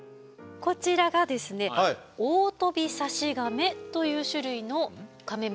こちらがですねオオトビサシガメという種類のカメムシでございます。